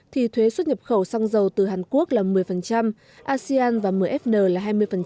thì thuế xuất nhập khẩu xăng dầu từ hàn quốc là một mươi asean và một mươi fn là hai mươi